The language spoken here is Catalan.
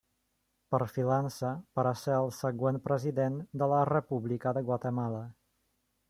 Perfilant-se per a ser el següent president de la República de Guatemala.